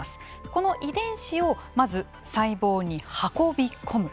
この遺伝子をまず細胞に運び込む。